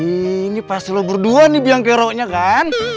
ini pasti lu berdua nih biang kero nya kan